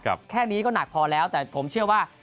แค่นี้ก็หนักพอแล้วแต่ผมเชื่อว่า